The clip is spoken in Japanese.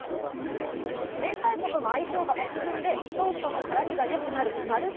明太子との相性が抜群でソースとの絡みが良くなるマル秘